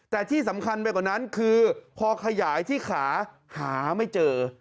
แต่ที่สำคัญไปกว่านั้นคือพอขยายที่ขาหาไม่เจอ